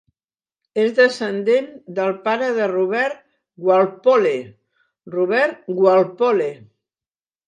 És descendent del pare de Robert Walpole, Robert Walpole.